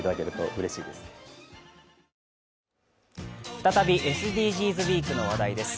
再びＳＤＧｓウィークの話題です。